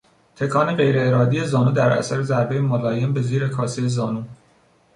تکان غیر ارادی زانو در اثر ضربهی ملایم به زیر کاسهی زانو